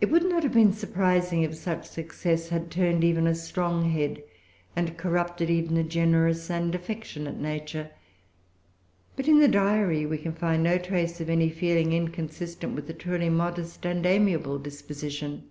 It would not have been surprising if such success had turned even a strong head, and corrupted even a generous and affectionate nature. But, in the Diary, we can find no trace of any feeling inconsistent with a truly modest and amiable disposition.